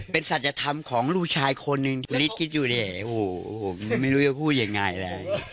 เป็นศัตรยธรรมของลูกชายคนนึงฮูไม่รู้จะพูดยังไงล่ะ